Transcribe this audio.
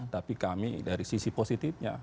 tapi kami dari sisi positifnya